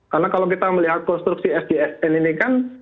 karena kalau kita melihat konstruksi sdsn ini kan